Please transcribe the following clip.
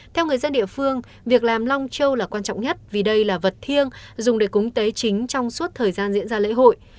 theo người dân địa phương việc làm long châu là quan trọng nhất vì đây là vật thiêng dùng để cúng tế chính trong suốt thời gian diễn ra lễ hội